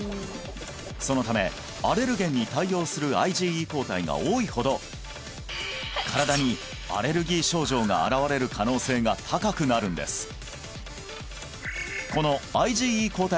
そのためアレルゲンに対応するＩｇＥ抗体が多いほど身体にアレルギー症状が現れる可能性が高くなるんです